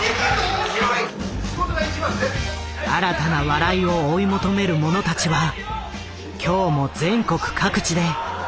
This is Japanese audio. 新たな笑いを追い求める者たちは今日も全国各地で火花を散らしている。